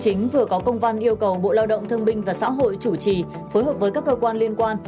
chính vừa có công văn yêu cầu bộ lao động thương binh và xã hội chủ trì phối hợp với các cơ quan liên quan